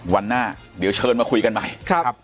วันหน้าเดี๋ยวเชิญมาคุยกันใหม่